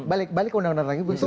balik ke undang undang terakhir bu